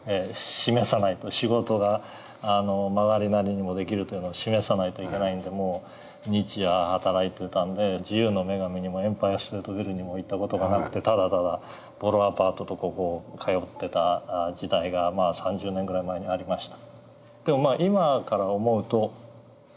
示さないと仕事が曲がりなりにもできるというのを示さないといけないんでもう日夜働いてたんで自由の女神にもエンパイア・ステート・ビルにも行った事がなくてただただボロアパートとここを通ってた時代が３０年ぐらい前にありました。